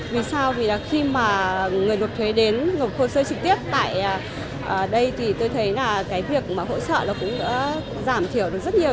vì sao vì là khi mà người nộp thuế đến nộp hồ sơ trực tiếp tại đây thì tôi thấy là cái việc mà hỗ trợ nó cũng rất là tốt